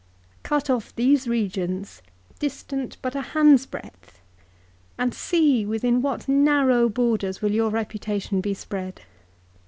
Cut off these regions, distant but a hand's breadth, and see within what narrow borders will your reputation be spread